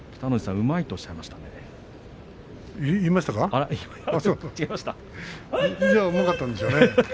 うまかったんでしょうね。